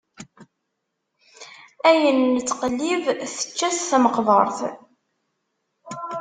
Ayen nettqellib, tečča-t tmeqbeṛt.